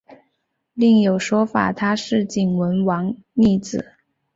另有说法他是景文王庶子。